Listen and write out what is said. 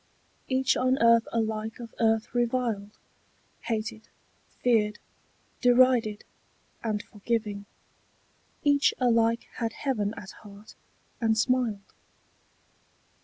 Each on earth alike of earth reviled, Hated, feared, derided, and forgiving, Each alike had heaven at heart, and smiled.